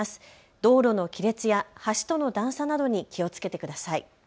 道路の亀裂や橋との段差などに気をつけてください。